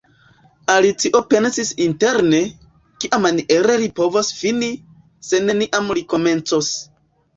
Alicio pensis interne, "Kiamaniere li povos fini, se neniam li komencos. »